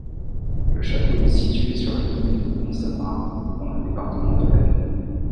Le château est situé sur la commune de Pont-Saint-Mard, dans le département de l'Aisne.